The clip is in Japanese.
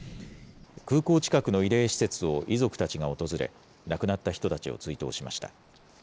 空港近くの慰霊施設を遺族たちが訪れ、亡くなった人たちを追悼しました。